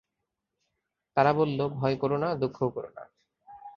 তারা বলল, ভয় করো না, দুঃখও করো না।